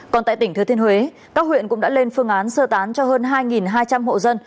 còn tại tỉnh thừa thiên huế các huyện cũng đã lên phương án sơ tán cho hơn hai hai trăm linh hộ dân